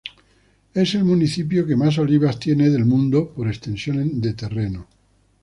Es el municipio que más olivas tiene del mundo, por extensión de terreno.